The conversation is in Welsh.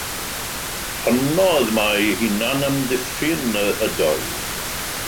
Honnodd mai hunanamddiffyn ydoedd.